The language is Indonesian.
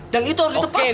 dan itu harus ditempatin